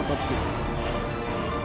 menggunakan sistem perubahan dan perusahaan